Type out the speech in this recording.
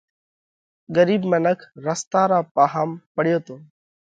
ڳرِيٻ منک رستا را پاهام پڙيو تو۔